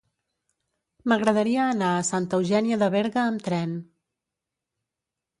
M'agradaria anar a Santa Eugènia de Berga amb tren.